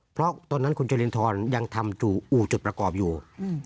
เพราะตอนนั้นคุณจรินทรยังทำอู่จุดประกอบอยู่